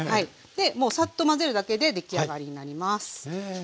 もうサッと混ぜるだけで出来上がりになります。